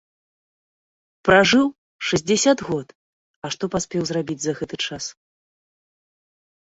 Пражыў шэсцьдзесят год, а што паспеў зрабіць за гэты час?